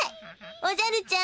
おじゃるちゃん